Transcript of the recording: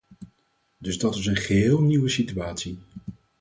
Dus dat is een geheel nieuwe situatie.